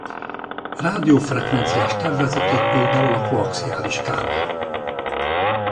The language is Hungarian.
Rádiófrekvenciás távvezeték például a koaxiális kábel.